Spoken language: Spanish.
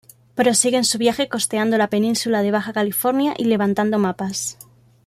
Prosiguen su viaje costeando la península de Baja California y levantando mapas.